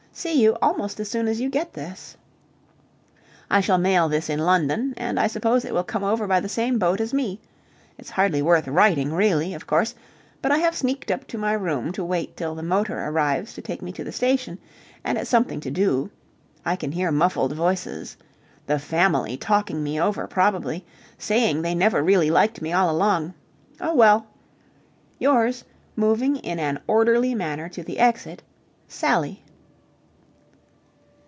See you almost as soon as you get this. I shall mail this in London, and I suppose it will come over by the same boat as me. It's hardly worth writing, really, of course, but I have sneaked up to my room to wait till the motor arrives to take me to the station, and it's something to do. I can hear muffled voices. The Family talking me over, probably. Saying they never really liked me all along. Oh, well! Yours moving in an orderly manner to the exit, Sally.